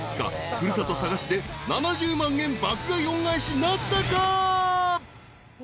古里佐賀市で７０万円爆買い恩返しなったか？］